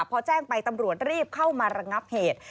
พอแจ้งไปตำรวจรีบเข้ามาระงับเหตุ